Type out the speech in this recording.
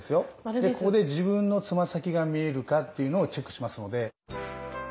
でここで自分のつま先が見えるかっていうのをチェックしますので。